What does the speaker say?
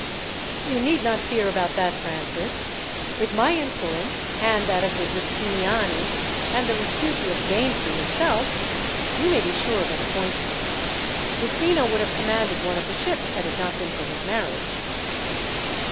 "You need not fear about that, Francis. With my influence, and that of the Giustiniani, and the repute you have gained for yourself, you may be sure of an appointment. Rufino would have commanded one of the ships had it not been for his marriage."